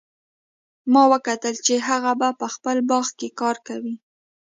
ما وکتل چې هغه په خپل باغ کې کار کوي